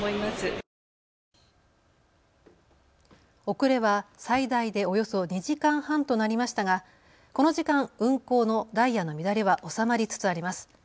遅れは最大でおよそ２時間半となりましたがこの時間、運行のダイヤの乱れは収まりつつあります。